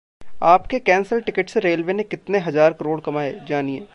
आपके cancel ticket से railway ने कितने हजार करोड़ कमाए, जानिए